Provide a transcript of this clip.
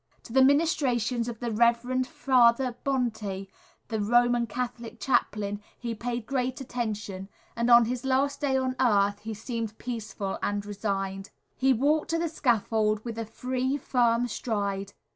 To the ministrations of the Rev. Father Bonté, the Roman Catholic chaplain, he paid great attention, and on his last day on earth he seemed peaceful and resigned. He walked to the scaffold with a free, firm stride.